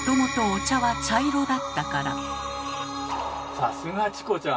さすがチコちゃん！